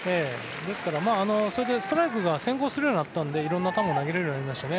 ですからそれでストライクが先行するようになったので色々な球を投げられるようになりましたね。